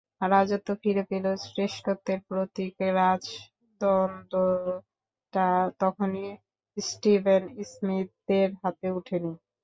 রাজত্ব ফিরে পেলেও শ্রেষ্ঠত্বের প্রতীক রাজদণ্ডটা তখনই স্টিভেন স্মিথদের হাতে ওঠেনি।